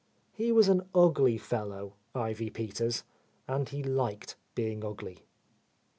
He was an ugly fellow, Ivy Peters, and he liked being ugly.